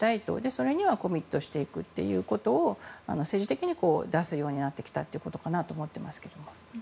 それにはコミットしていくっていうことを政治的に出すようになってきたということかなと思ってますけど。